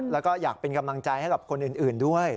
แล้วก็อยากเป็นกำลังใจให้กับคนอื่นด้วย